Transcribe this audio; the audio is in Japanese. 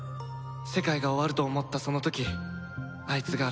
世界が終わると思ったその時あいつが現れて